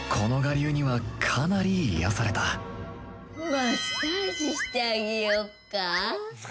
マッサージしてあげよっか？